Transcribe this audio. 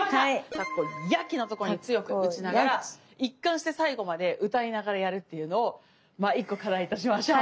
「たこやき」のところに強く打ちながら一貫して最後まで歌いながらやるっていうのをまあ１個課題としましょう。